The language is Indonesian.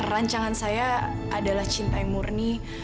rancangan saya adalah cinta yang murni